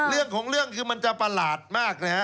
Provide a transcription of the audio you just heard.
เรื่องของเรื่องคือมันจะประหลาดมากนะฮะ